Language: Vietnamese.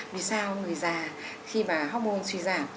vì sao người già khi mà hormone suy giảm